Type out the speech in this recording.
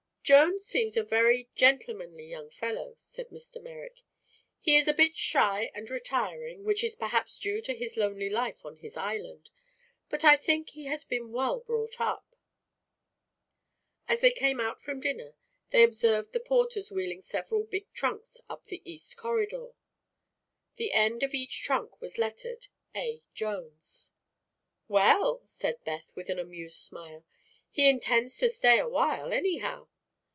"Jones seems a vary gentlemanly young fellow," said Mr. Merrick. "He is a bit shy and retiring, which is perhaps due to his lonely life on his island; but I think he has been well brought up." As they came out from dinner they observed the porters wheeling several big trunks up the east corridor. The end of each trunk was lettered: "A. Jones." "Well," said Beth, with an amused smile, "he intends to stay a while, anyhow.